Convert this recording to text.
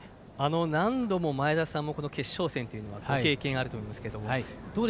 何度も前田さんは決勝戦というのはご経験あると思いますが。